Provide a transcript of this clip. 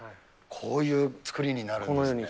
こういう作りになるんですね。